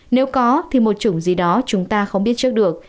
nếu có thì một chủng gì đó chúng ta không biết trước được